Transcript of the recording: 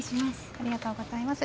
ありがとうございます。